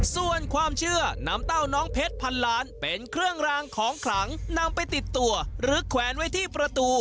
ส่วนความเชื่อนำเต้าน้องเพชรพันล้านเป็นเครื่องรางของขลังนำไปติดตัวหรือแขวนไว้ที่ประตู